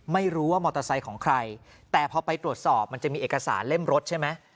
ไม่รู้ว่ามอเตอร์ไซค์ของใครแต่พอไปตรวจสอบมันจะมีเอกสารเล่มรถใช่ไหม